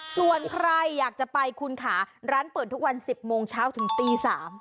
ส่วนใครอยากจะไปคุณค่ะร้านเปิดทุกวัน๑๐โมงเช้าถึงตี๓